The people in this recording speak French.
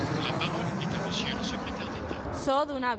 La parole est à Monsieur le secrétaire d’État.